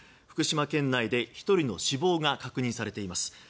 福島県内で１人の死亡が確認されています。